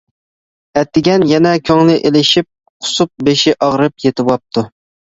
ئەتىگەن يەنە كۆڭلى ئېلىشىپ قۇسۇپ، بېشى ئاغرىپ يېتىۋاپتۇ.